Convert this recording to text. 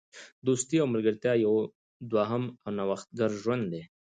دوستي او ملګرتیا یو دوهم او نوښتګر ژوند دی.